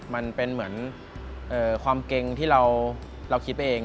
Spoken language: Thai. มันเป็นเหมือนความเกรงที่เราคิดไปเอง